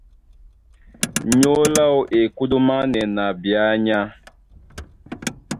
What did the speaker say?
Nyólo áō e kúdúmánɛ́ na ɓeánya.